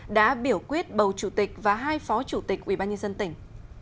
đã biểu quyết bầu chủ tịch và hai phó chủ tịch ubnd tỉnh